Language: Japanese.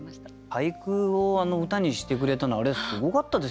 俳句を歌にしてくれたのあれはすごかったですよね。